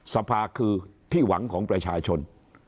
สภาคือที่หวังของประชาชน